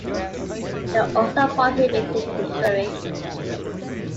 They also prohibited usury.